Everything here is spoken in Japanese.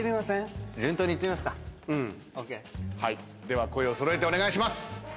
では声を揃えてお願いします。